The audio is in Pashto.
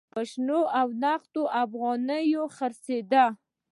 په شنو او نغدو افغانیو خرڅېده.